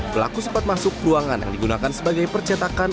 pelaku sempat masuk ruangan yang digunakan sebagai percetakan